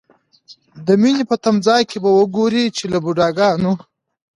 د مینې په تمځای کې به وګورئ چې له بوډاګانو.